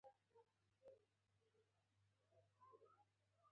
له موږ سره بد چلند وکړ.